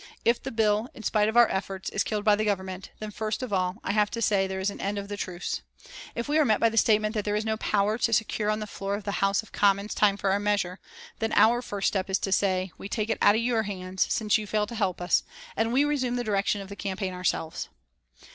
If the Bill, in spite of our efforts, is killed by the Government, then first of all, I have to say there is an end of the truce. If we are met by the statement that there is no power to secure on the floor of the House of Commons time for our measure, then our first step is to say, 'We take it out of your hands, since you fail to help us, and we resume the direction of the campaign ourselves.'"